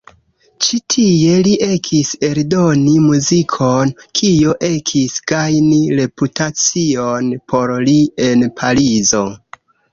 Ĉi tie li ekis eldoni muzikon, kio ekis gajni reputacion por li en Parizo.